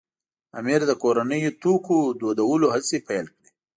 امیر د کورنیو توکو دودولو هڅې پیل کړې.